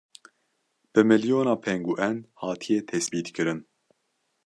Bi milyona pengûen hatiye tespîtkirin.